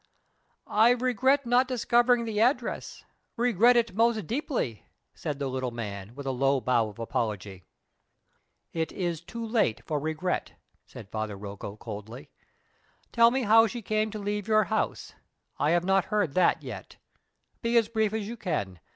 "I regret not discovering the address regret it most deeply," said the little man, with a low bow of apology. "It is too late for regret," said Father Rocco, coldly. "Tell me how she came to leave your house; I have not heard that yet. Be as brief as you can.